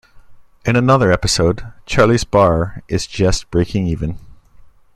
In another episode, Charlie's bar is just breaking even.